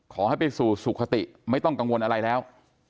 ขอให้ไปสู่สุขติไม่ต้องกังวลอะไรแล้ว